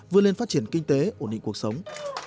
vươn lên phát triển kinh tế ổn định cuộc sống